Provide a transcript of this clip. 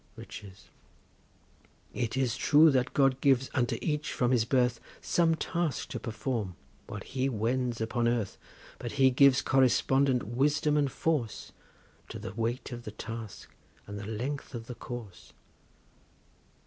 RICHES. It is true that God gives unto each from his birth Some task to perform whilst he wends upon earth, But He gives correspondent wisdom and force To the weight of the task, and the length of the course.